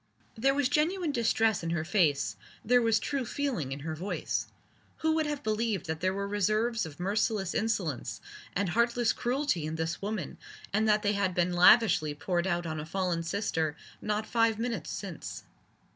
There was genuine distress in her face, there was true feeling in her voice. Who would have believed that there were reserves of merciless insolence and heartless cruelty in this woman and that they had been lavishly poured out on a fallen sister not five minutes since?